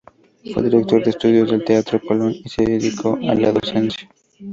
Fue director de estudios del teatro Colón y se dedicó a la docencia.